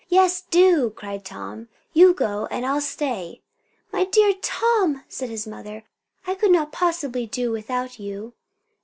"Yes, do!" cried Tom. "You go, and I'll stay." "My dear Tom!" said his mother, "I could not possibly do without you."